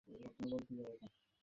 যখন বিমানে উঠবে নিজের খেয়াল রাখবে।